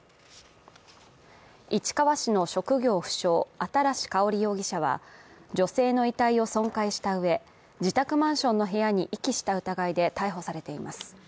市川市の職業不詳・新かほり容疑者は女性の遺体を損壊したうえ自宅マンションの部屋に遺棄した疑いで逮捕されています。